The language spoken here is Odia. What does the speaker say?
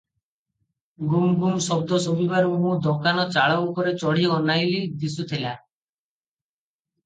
ଗୁମ୍ଗୁମ୍ ଶଦ୍ଦ ଶୁଭିବାରୁ ମୁଁ ଦୋକାନ ଚାଳ ଉପରେ ଚଢ଼ି ଅନାଇଲି, ଦିଶୁଥିଲା ।